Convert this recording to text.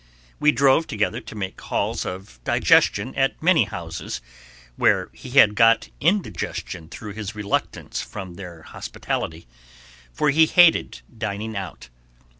We drove together to make calls of digestion at many houses where he had got indigestion through his reluctance from their hospitality, for he hated dining out.